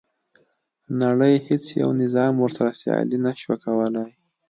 نړۍ هیڅ یو نظام ورسره سیالي نه شوه کولای.